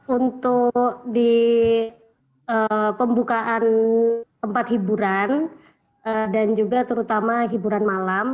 untuk di pembukaan tempat hiburan dan juga terutama hiburan malam